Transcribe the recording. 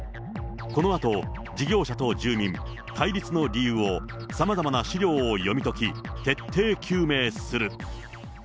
このあと、事業者と住民、対立の理由をさまざまな資料を読み解き、徹底究明する。